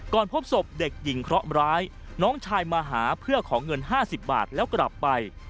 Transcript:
พบศพเด็กหญิงเคราะหร้ายน้องชายมาหาเพื่อขอเงิน๕๐บาทแล้วกลับไป